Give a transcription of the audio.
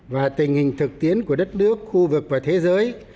và tình hình thực tiễn của đất nước khu vực và thế giới